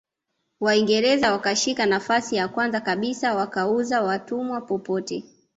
Waingereza wakashika nafasi ya kwanza kabisa wakauza watumwa popote